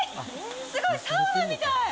すごい、サウナみたい。